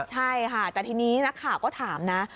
ใช่ค่ะแต่ทีนี้นักข่าวก็ถามนะ